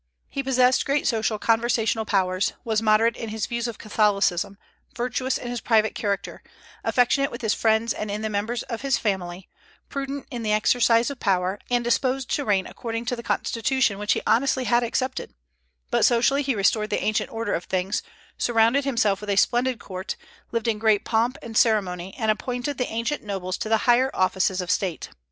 He possessed great social and conversational powers, was moderate in his views of Catholicism, virtuous in his private character, affectionate with his friends and the members of his family, prudent in the exercise of power, and disposed to reign according to the constitution which he honestly had accepted; but socially he restored the ancient order of things, surrounded himself with a splendid court, lived in great pomp and ceremony, and appointed the ancient nobles to the higher offices of state.